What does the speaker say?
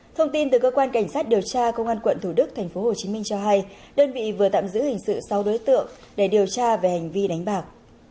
thông tin từ cơ quan cảnh sát điều tra công an quận thủ đức tp hcm cho hay đơn vị vừa tạm giữ hình sự sáu đối tượng để điều tra về hành vi đánh bạc